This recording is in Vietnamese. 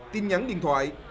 tin nhắn điện thoại